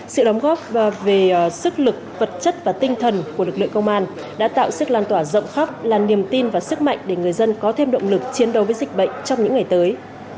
sự đóng góp về sức lực vật chất và tinh thần của lực lượng công an đã tạo sức lan tỏa rộng khắp là niềm tin và sức mạnh để người dân có thêm động lực chiến đấu với dịch bệnh trong những ngày tới